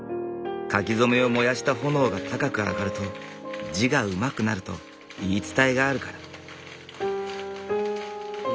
書き初めを燃やした炎が高く上がると字がうまくなると言い伝えがあるから。